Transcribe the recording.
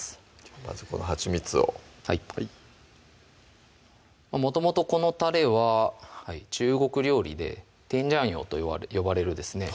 まずはちみつをはいもともとこのたれは中国料理で「テンジャンユ」と呼ばれるですね